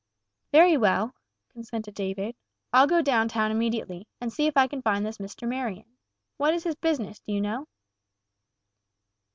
"Very well," consented David. "I'll go down town immediately, and see if I can find this Mr. Marion. What is his business, do you know?"